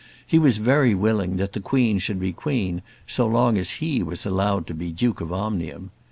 He was very willing that the Queen should be queen so long as he was allowed to be Duke of Omnium.